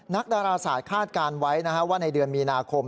ดาราศาสตร์คาดการณ์ไว้ว่าในเดือนมีนาคม